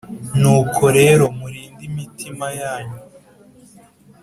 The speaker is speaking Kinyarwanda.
Nuko rero murinde imitima yanyu